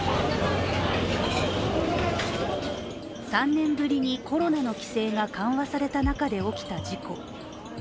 ３年ぶりにコロナの規制が緩和された中で起きた事故。